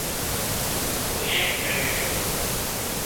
مُون ايم ڪريوش